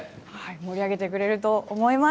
盛り上げてくれると思います。